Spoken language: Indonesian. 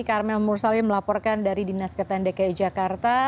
karmel mursalim melaporkan dari dinas kesehatan dki jakarta